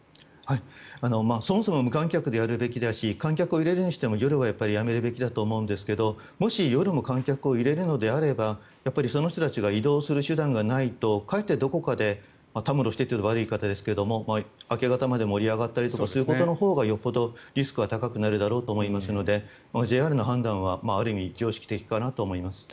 そもそも無観客でやるべきだし観客を入れるにしても夜はやめるべきだと思うんですがもし夜も観客を入れるのであればやっぱりその人たちが移動する手段がないとかえってどこかでたむろしてという言い方は悪い言い方ですが明け方まで盛り上がったりとかすることのほうがよっぽどリスクは高くなるだろうと思いますのでＪＲの判断はある意味常識的かなと思います。